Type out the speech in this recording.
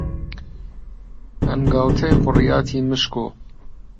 ئەنگاوتەی قۆریاتی مشکۆ،